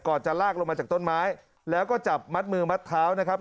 จะลากลงมาจากต้นไม้แล้วก็จับมัดมือมัดเท้านะครับ